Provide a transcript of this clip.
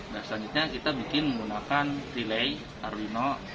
dan selanjutnya kita bikin menggunakan relay arduino